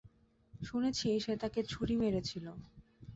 শুনেছি সে তাকে ছুরি মেরেছিল।